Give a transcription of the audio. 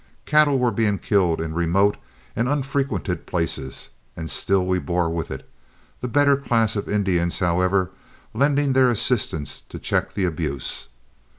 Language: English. Cattle were being killed in remote and unfrequented places, and still we bore with it, the better class of Indians, however, lending their assistance to check the abuse.